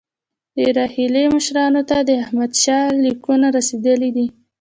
د روهیله مشرانو ته د احمدشاه لیکونه رسېدلي دي.